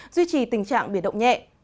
duy trì tình trạng biển động nhẹ